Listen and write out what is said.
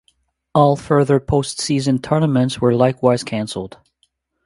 All further postseason tournaments were likewise canceled.